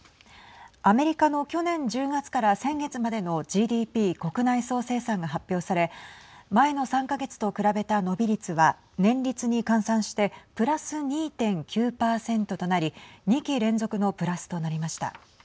アメリカの去年１０月から先月までのＧＤＰ＝国内総生産が発表され前の３か月と比べた伸び率は年率に換算してプラス２．９％となり２期連続のプラスとなりました。